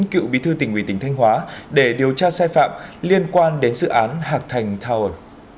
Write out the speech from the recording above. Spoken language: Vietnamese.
cựu bí thư tỉnh ủy tỉnh thanh hóa để điều tra sai phạm liên quan đến dự án hạc thành tower